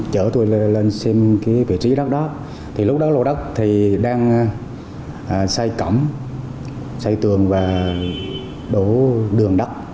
chở tôi lên xem cái vị trí đó thì lúc đó lô đất thì đang xây cổng xây tường và đổ đường đất